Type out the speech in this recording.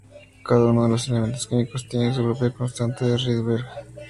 Cada uno de los elementos químicos tiene su propia constante de Rydberg.